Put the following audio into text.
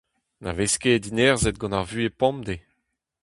Na vez ket dinerzhet gant ar vuhez pemdez.